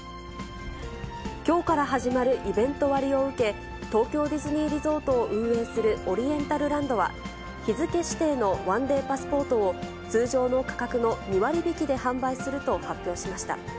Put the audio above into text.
きょうから始まるイベント割を受け、東京ディズニーリゾートを運営するオリエンタルランドは、日付指定の１デーパスポートを通常の価格の２割引きで販売すると発表しました。